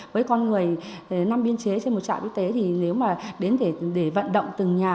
với con người năm biên chế trên một trạm y tế thì nếu mà đến để vận động từng nhà